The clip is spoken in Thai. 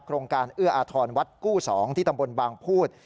โครงการเอื้ออาทรวัดกู้๒ที่ตำบลบางพูด